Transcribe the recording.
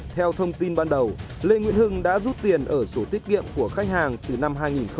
theo thông tin ban đầu lê nguyễn hưng đã rút tiền ở sổ tiết kiệm của khách hàng từ năm hai nghìn một mươi